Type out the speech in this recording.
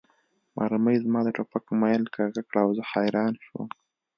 مرمۍ زما د ټوپک میل کږه کړه او زه حیران شوم